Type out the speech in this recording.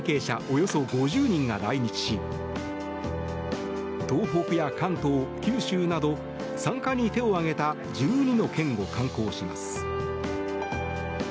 およそ５０人が来日し東北や関東、九州など参加に手を挙げた１２の県を観光します。